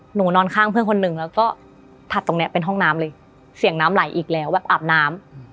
นอนข้างเพื่อนคนหนึ่งแล้วก็ถัดตรงเนี้ยเป็นห้องน้ำเลยเสียงน้ำไหลอีกแล้วแบบอาบน้ำ